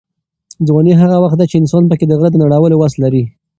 ځواني هغه وخت ده چې انسان پکې د غره د نړولو وس لري.